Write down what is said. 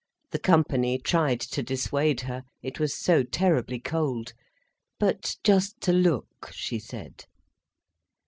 The company tried to dissuade her—it was so terribly cold. But just to look, she said.